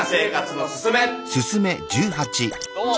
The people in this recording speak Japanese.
「どうも。